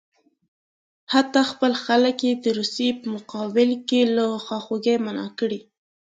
حتی خپل خلک یې د روسیې په مقابل کې له خواخوږۍ منع کړي.